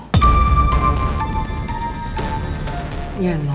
kamu bantu cari elsa noh